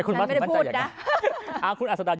อ้าวไม่ได้พูดนะอ่าคุณอาสดา